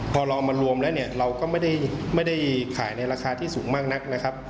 พอลองมารวมเราไม่ได้นิยมราคาที่สูงมางนะครับ